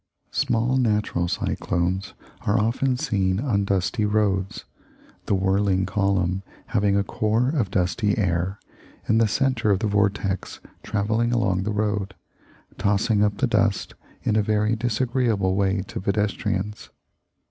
Small natural cyclones are often seen on dusty roads, the whirling column having a core of dusty air, and the centre of the vortex travelling along the road, tossing up the dust in a very disagreeable way to pedestrians.